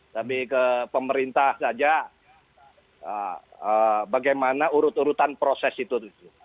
tapi ke pemerintah saja bagaimana urut urutan proses itu